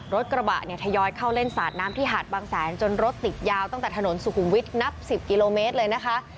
รถกระบะเนี่ยทยอยเข้าเล่นสาดน้ำที่หาดบางแสนจนรถติดยาวตั้งแต่ถนนสุขุมวิทย์นับ๑๐กิโลเมตรเลยนะคะ